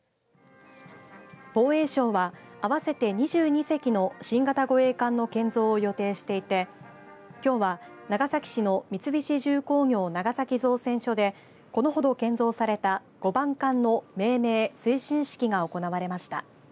防衛省は、合わせて２２隻の新型護衛艦の建造を予定していてきょうは長崎市の三菱重工業長崎造船所でこのほど建造された５番艦の命名、進水式が行われました。